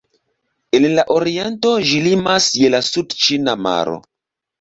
En la oriento ĝi limas je la Sudĉina maro.